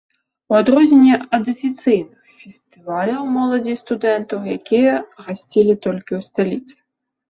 У адрозненне ад афіцыйных фестываляў моладзі і студэнтаў, якія гасцілі толькі ў сталіцы.